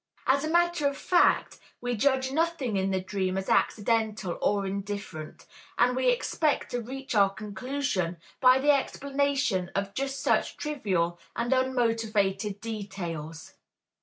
As a matter of fact we judge nothing in the dream as accidental or indifferent, and we expect to reach our conclusion by the explanation of just such trivial and unmotivated details.